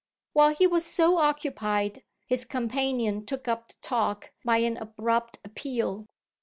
While he was so occupied his companion took up the talk by an abrupt appeal.